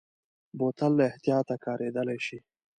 بوتل له احتیاطه کارېدلی شي.